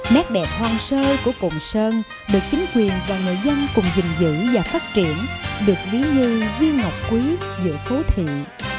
nét đẹp hoang sơ của cùng sơn được chính quyền và người dân cùng dình dữ và phát triển được ví như viên ngọc quý giữa phố thiện